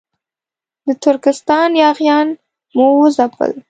د ترکستان یاغیان مو وځپل.